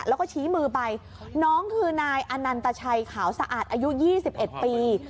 แล้วก็ชี้มือไปน้องคือนายอนันตชัยขาวสะอาดอายุ๒๑ปี